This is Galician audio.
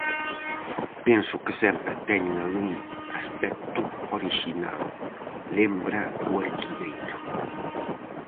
"Penso que sempre teñen algún aspecto orixinal", lembra o arquiveiro.